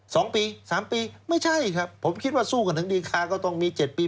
สองปีสามปีไม่ใช่ครับผมคิดว่าสู้กันถึงดีคาก็ต้องมีเจ็ดปี